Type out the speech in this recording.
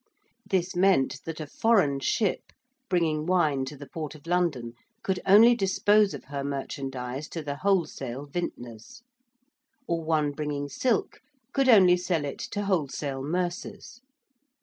This meant that a foreign ship bringing wine to the port of London could only dispose of her merchandise to the wholesale vintners: or one bringing silk could only sell it to wholesale mercers.